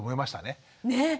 ねえ！